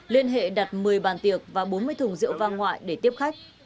liên hệ đặt một mươi bàn tiệc và bốn mươi thùng rượu vang ngoại để tiếp khách